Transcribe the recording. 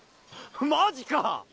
マジかぁ！